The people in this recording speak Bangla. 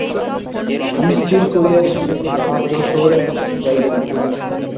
আমি স্থির করিয়াছি, আর যশোহরে যাইব না।